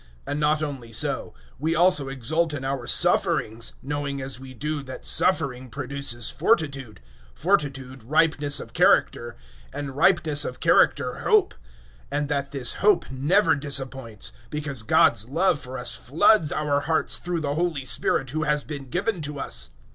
005:003 And not only so: we also exult in our sufferings, knowing as we do, that suffering produces fortitude; 005:004 fortitude, ripeness of character; and ripeness of character, hope; 005:005 and that this hope never disappoints, because God's love for us floods our hearts through the Holy Spirit who has been given to us.